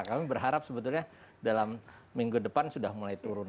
kami berharap sebetulnya dalam minggu depan sudah mulai turun